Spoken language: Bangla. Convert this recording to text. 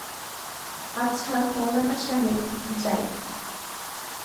আচ্ছা মৌলানা সাহেব, যাই।